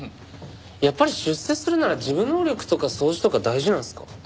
やっぱり出世するなら事務能力とか掃除とか大事なんすか？